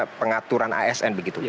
ada pengaturan asn begitu